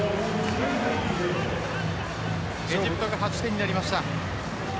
エジプトが８点になりました。